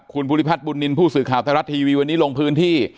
คุณภูริพัฒนบุญนินทร์ผู้สื่อข่าวไทยรัฐทีวีวันนี้ลงพื้นที่